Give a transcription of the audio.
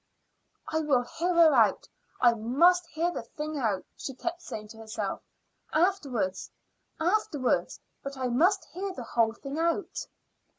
"I will hear her out. I must hear the thing out," she kept saying to herself. "Afterwards afterwards But I must hear the whole thing out."